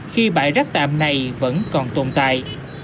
khi bãi rác tạm này vẫn còn tồn tại